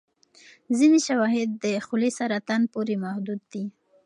ځینې شواهد د خولې سرطان پورې محدود دي.